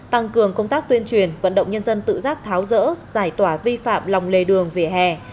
tăng cường công tác tuyên truyền vận động nhân dân tự giác tháo rỡ giải tỏa vi phạm lòng lề đường vỉa hè